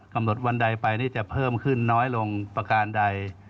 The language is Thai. วันใดไปนี่จะเพิ่มขึ้นน้อยลงประการใด